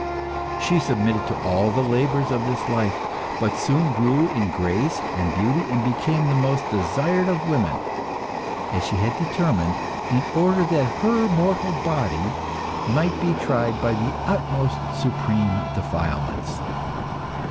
She submitted to all the labours of this life, but soon grew in grace and beauty, and became the most desired of women, as she had determined, in order that her mortal body might be tried by the most supreme defilements.